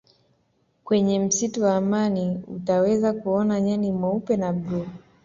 kwenye msitu wa amani utaweza kuona nyani weupe na bluu